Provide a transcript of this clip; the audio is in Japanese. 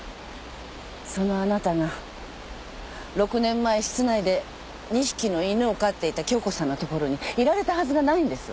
そのあなたが６年前室内で２匹の犬を飼っていた杏子さんの所にいられたはずがないんです。